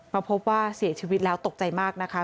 มาพบว่าเสียชีวิตแล้วตกใจมากนะคะ